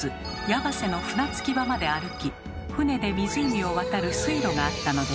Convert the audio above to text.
矢橋の船着き場まで歩き船で湖を渡る水路があったのです。